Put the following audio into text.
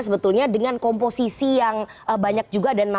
sebetulnya dengan komposisi yang banyak juga dan mantap